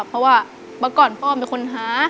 เพราะว่าเมื่อก่อนพ่อเป็นคนหา